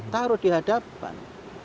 taruh di hadapan